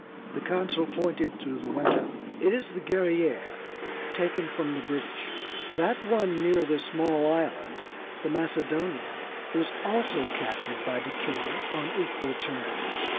The consul pointed through the window. "It is the Guerrière, taken from the British. That one near the small island, the Macedonian, was also captured by Decatur on equal terms.